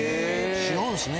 違うんですね